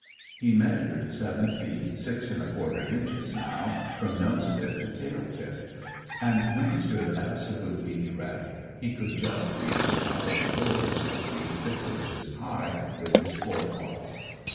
(He measured seven feet six and a quarter inches now, from nose tip to tail tip; and when he stood absolutely erect he could just reach the top of a door six feet six inches high with his fore paws.)